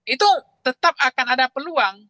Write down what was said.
itu tetap akan ada peluang